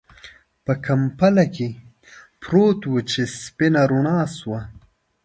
په کمپله کې پروت و چې سپينه رڼا شوه.